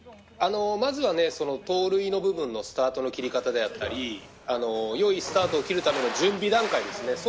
まずは盗塁の部分のスタートの切り方であったりよいスタートを切るための準備段階ですね。